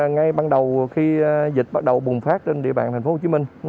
ngay ban đầu khi dịch bắt đầu bùng phát trên địa bàn tp hcm